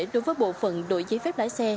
đối với bộ phận đội giấy phép lái xe